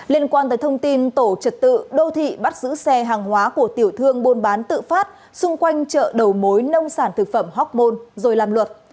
liên quan tới thông tin tổ trật tự đô thị bắt giữ xe hàng hóa của tiểu thương buôn bán tự phát xung quanh chợ đầu mối nông sản thực phẩm hoc mon rồi làm luật